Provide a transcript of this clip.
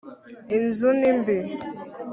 inzu ni mbi